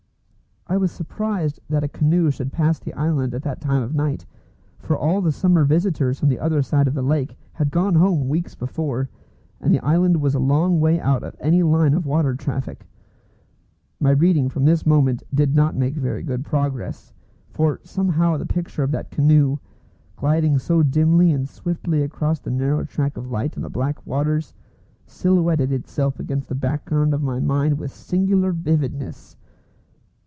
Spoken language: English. I was surprised that a canoe should pass the island at that time of night, for all the summer visitors from the other side of the lake had gone home weeks before, and the island was a long way out of any line of water traffic. My reading from this moment did not make very good progress, for somehow the picture of that canoe, gliding so dimly and swiftly across the narrow track of light on the black waters, silhouetted itself against the background of my mind with singular vividness.